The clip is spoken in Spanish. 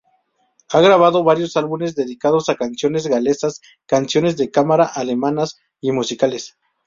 Ha grabado varios álbumes dedicados a canciones galesas, canciones de cámara alemanas y musicales.